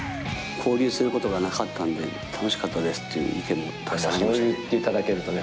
交流することがなかったんで、楽しかったですという意見もたくさんありましたね。